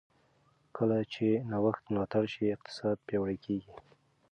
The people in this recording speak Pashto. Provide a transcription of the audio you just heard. کله چې نوښت ملاتړ شي، اقتصاد پیاوړی کېږي.